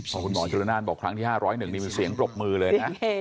ขอบคุณหมอเจ้าน่านบอกครั้งที่๕๐๑เนี่ยเสียงประบมือเลยนะ